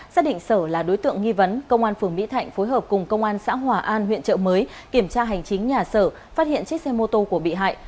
xác định sở là đối tượng nghi vấn công an phường mỹ thạnh phối hợp cùng công an xã hòa an huyện trợ mới kiểm tra hành chính nhà sở phát hiện chiếc xe mô tô của bị hại